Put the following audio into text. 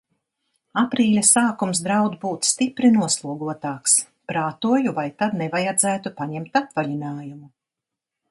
Aprīļa sākums draud būt stipri noslogotāks. Prātoju, vai tad nevajadzētu paņemt atvaļinājumu.